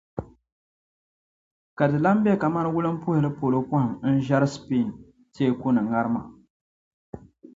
Ka di lan be kaman wulimpuhili polo pɔhim n-ʒiɛri Spain teeku ni ŋarima.